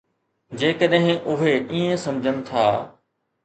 جيڪڏهن اهي ائين سمجهن ٿا.